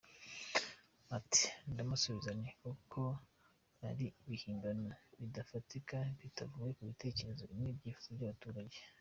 Ati ndamusubiza nti kuko ari ibihimbano bidafatika bitavuye mu bitekerezo n’ibyifuzo by’abaturage.